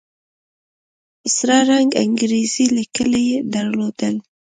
په سره رنگ انګريزي ليکل يې درلودل.